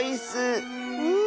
うん。